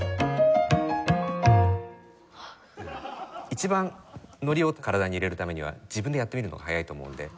一番ノリを体に入れるためには自分でやってみるのが早いと思うので。